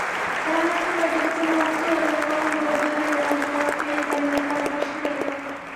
دغه سیمه د خپلو غښتلو لرغونو ودانیو او جغرافیايي بڼې لپاره مشهوره ده.